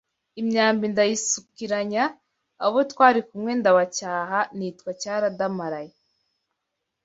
Imyambi ndayisukiranya abo twari kumwe ndabacyaha nitwa Cyaradamaraye